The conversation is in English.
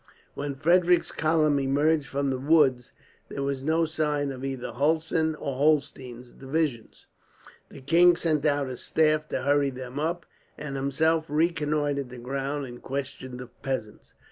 When Frederick's column emerged from the woods, there was no sign of either Hulsen or Holstein's divisions. The king sent out his staff to hurry them up, and himself reconnoitred the ground and questioned the peasants.